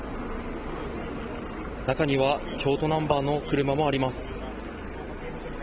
中には京都ナンバーの車もあります。